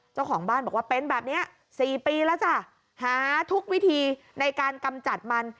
เจ้าของบ้านบอกว่าเป็นแบบนี้๔ปีแล้วจ้ะหาทุกวิธีในการกำจัดมัน